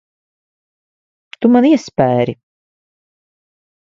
Tu man iespēri.